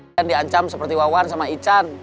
yang diancam seperti wawan sama ican